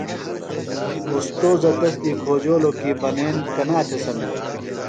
اوستوذہ تس دی کھوجولوۡ کی بنین کنا تھےۡ سمِیانہ ؟